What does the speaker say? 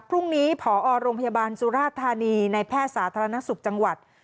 พรุ่งนี้ผอโรงพยาบาลสุราธานีในแพทย์สาธารณสุขจังหวัด